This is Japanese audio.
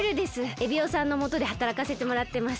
エビオさんのもとではたらかせてもらってます。